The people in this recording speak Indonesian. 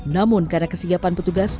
namun karena kesiapan petugas